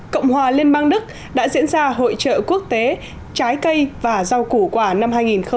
cộng hòa liên bang đức đã diễn ra hội trợ quốc tế trái cây và rau củ quả năm hai nghìn một mươi chín